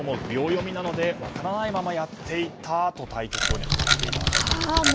秒読みなので分からないままやっていたと対局後に話していたんです。